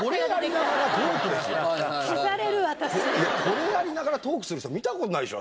これやりながらトークする人見た事ないでしょだって。